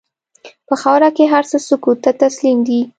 په خاوره کې هر څه سکوت ته تسلیم دي.